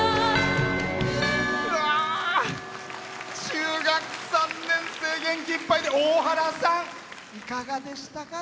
中学３年生元気いっぱいで、大原さんいかがでしたか？